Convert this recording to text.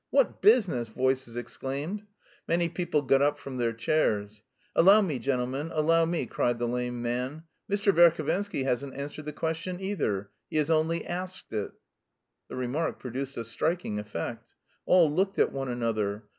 What business?" voices exclaimed. Many people got up from their chairs. "Allow me, gentlemen, allow me," cried the lame man. "Mr. Verhovensky hasn't answered the question either; he has only asked it." The remark produced a striking effect. All looked at one another.